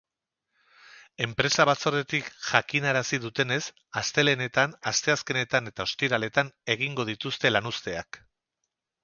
Enpresa batzordetik jakinarazi dutenez, astelehenetan, asteazkenetan eta ostiraletan egingo dituzte lanuzteak.